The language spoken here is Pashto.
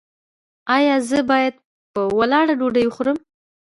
ایا زه باید په ولاړه ډوډۍ وخورم؟